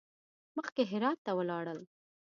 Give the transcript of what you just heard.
مخکې هرات ته ولاړل.